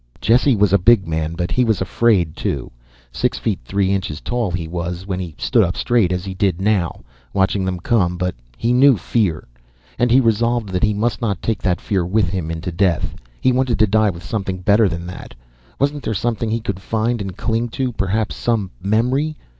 Jesse was a big man, but he was afraid, too. Six feet three inches tall he was, when he stood up straight as he did now, watching them come but he knew fear. And he resolved that he must not take that fear with him into death. He wanted to die with something better than that. Wasn't there something he could find and cling to, perhaps some memory